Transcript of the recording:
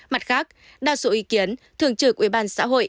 mặt khác đa số ý kiến thường trực ubnd